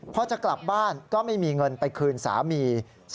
พอจะกลับบ้านก็ไม่มีเงินไปคืนสามี